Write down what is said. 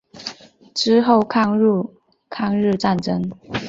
之后投入抗日战争。